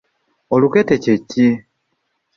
Olukete kye ki?